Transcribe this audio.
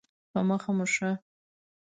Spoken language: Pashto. په مخه مو ښه